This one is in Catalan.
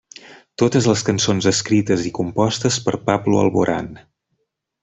Totes les cançons escrites i compostes per Pablo Alborán.